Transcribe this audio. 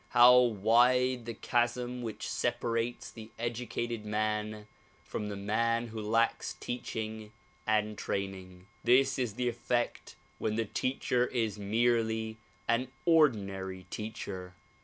How wide the chasm which separates the educated man from the man who lacks teaching and training. This is the effect when the teacher is merely an ordinary teacher.